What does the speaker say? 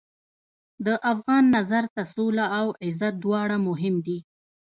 د افغان نظر ته سوله او عزت دواړه مهم دي.